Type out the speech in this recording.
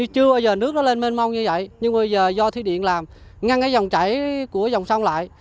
chưa bao giờ nước nó lên mênh mông như vậy nhưng bây giờ do thủy điện làm ngăn cái dòng chảy của dòng sông lại